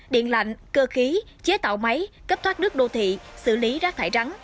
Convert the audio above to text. điện lạnh cơ khí chế tạo máy cấp thoát nước đô thị xử lý rác thải rắn